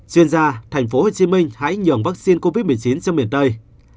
chuyên gia tp hcm hãy nhường vaccine covid một mươi chín ra miền tây